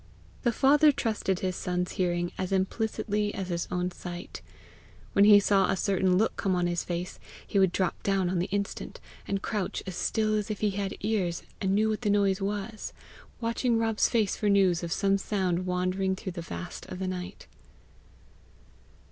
The father trusted his son's hearing as implicitly as his own sight. When he saw a certain look come on his face, he would drop on the instant, and crouch as still as if he had ears and knew what noise was, watching Rob's face for news of some sound wandering through the vast of the night.